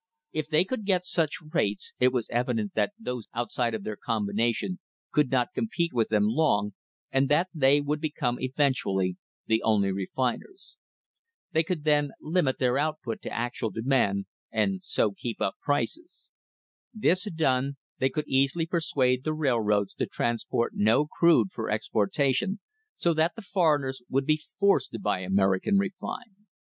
If they could get such rates it was evident that those outside of their combination could not compete with them long and that they would become eventually the only refiners. They could then limit their output to actual demand, and so keep up prices. This done, they could easily persuade the railroads to transport no crude for exportation, so that the foreigners would be forced to buy American refined.